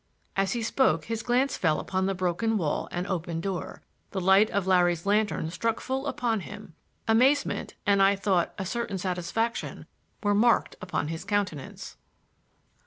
As he spoke his glance fell upon the broken wall and open door. The light of Larry's lantern struck full upon him. Amazement, and, I thought, a certain satisfaction, were marked upon his countenance.